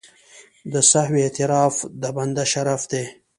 د سهوې اعتراف د بنده شرف دی.